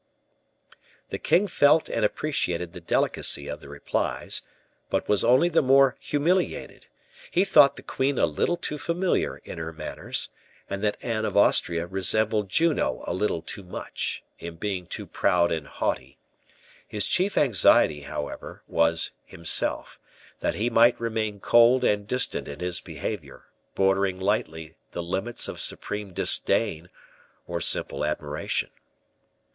The king felt and appreciated the delicacy of the replies, but was only the more humiliated; he thought the queen a little too familiar in her manners, and that Anne of Austria resembled Juno a little too much, in being too proud and haughty; his chief anxiety, however, was himself, that he might remain cold and distant in his behavior, bordering lightly the limits of supreme disdain or simple admiration.